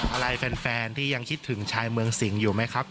อะไรแฟนที่ยังคิดถึงชายเมืองสิงห์อยู่ไหมครับ